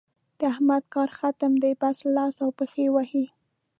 د احمد کار ختم دی؛ بس لاس او پښې وهي.